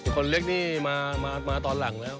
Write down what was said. คนเล็กนี่มาตอนหลังแล้ว